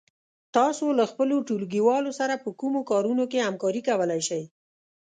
تاسو له خپلو ټولگيوالو سره په کومو کارونو کې همکاري کولای شئ؟